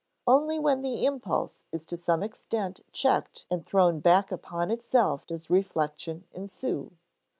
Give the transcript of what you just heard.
Only when the impulse is to some extent checked and thrown back upon itself does reflection ensue.